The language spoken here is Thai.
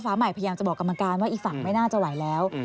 ใหม่พยายามจะบอกกรรมการว่าอีกฝั่งไม่น่าจะไหวแล้ว